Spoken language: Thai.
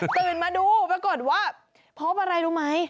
ตื่นมาดูปรากฏว่าพบอะไรรู้ไหม